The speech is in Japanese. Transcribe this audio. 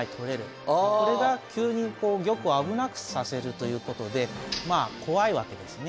これが急に玉を危なくさせるということでまあ怖いわけですね。